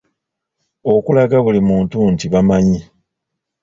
Okulaga buli muntu nti bamaanyi.